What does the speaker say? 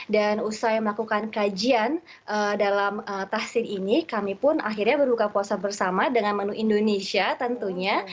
dan usai melakukan kajian dalam tahsin ini kami pun akhirnya berbuka puasa bersama dengan manu indonesia tentunya